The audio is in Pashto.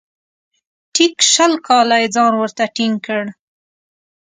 ټیک شل کاله یې ځان ورته ټینګ کړ .